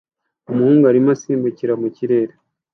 Umuhungu arimo asimbukira mu kirere